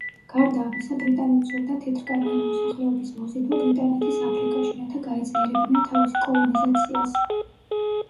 გარდა ამისა ბრიტანეთს სურდა თეთრკანიანი მოსახლეობის მოზიდვა ბრიტანეთის აფრიკაში, რათა გაეძლიერებინა თავისი კოლონიზაციას.